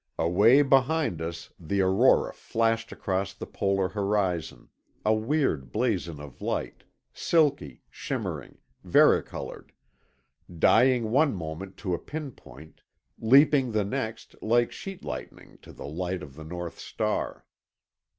Away behind us the Aurora flashed across the Polar horizon, a weird blazon of light, silky, shimmering, vari colored, dying one moment to a pin point leaping the next like sheet lightning to the height of the North Star.